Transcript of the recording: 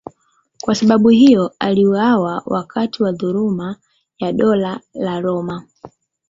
Kwa sababu hiyo aliuawa wakati wa dhuluma ya Dola la Roma.